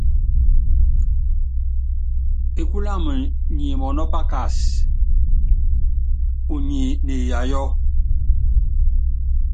Ekúlu wamɛ nyi mɔnɔ́pakas, unyi niiyayɔ́.